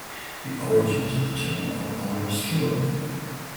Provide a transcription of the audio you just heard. The origins of the term are obscure.